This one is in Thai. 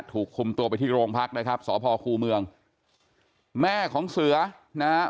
ถูกคุมตัวไปที่โรงพักนะครับสพคูเมืองแม่ของเสือนะฮะ